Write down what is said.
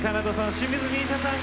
清水美依紗さん